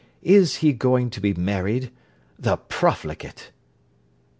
Is he going to be married? The profligate!'